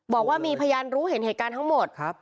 บอกว่ามีพยานรู้เห็นเหตุการณ์ทั้งหมด